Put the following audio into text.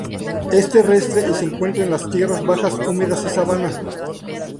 Es terrestre y se encuentra en las tierras bajas húmedas y sabana.